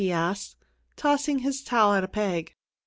he asked, tossing his towel at a peg.